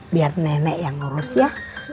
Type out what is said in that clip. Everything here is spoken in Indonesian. biar nenek yang ngurus ya